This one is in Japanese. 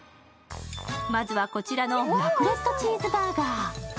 まずはこちらのラクレットチーズバーガー。